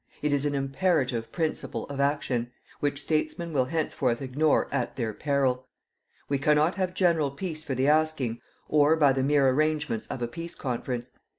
It is an imperative principle of action, which statesmen will henceforth ignore at their peril. We cannot have general peace for the asking, or by the mere arrangements of a peace conference.